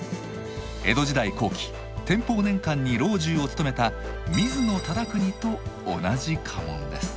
江戸時代後期天保年間に老中を務めた水野忠邦と同じ家紋です。